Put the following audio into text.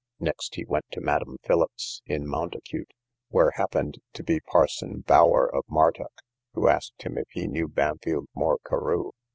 Next he went to Madam Philips, of Montacute, where happened to be Parson Bower, of Martock, who asked him if he knew Bampfylde Moore Carew?